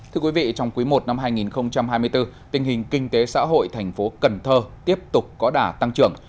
thưa quý vị trong quý i năm hai nghìn hai mươi bốn tình hình kinh tế xã hội thành phố cần thơ tiếp tục có đả tăng trưởng